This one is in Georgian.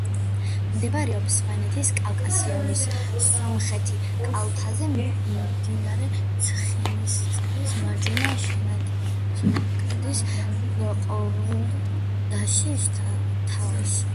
მდებარეობს სვანეთის კავკასიონის სამხრეთ კალთაზე, მდინარე ცხენისწყლის მარჯვენა შენაკადის ყორულდაშის სათავეში.